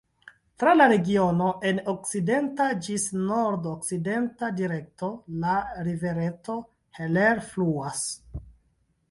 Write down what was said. Tra la regiono en okcidenta ĝis nordokcidenta direkto la rivereto Heller fluas.